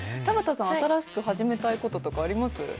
田畑さん、新しく始めたいこととかあります？